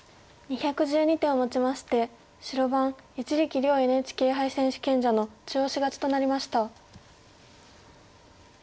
２１２手をもちまして白番一力遼ＮＨＫ杯選手権者の中押し勝ちとなりました。